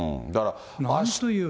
なんという。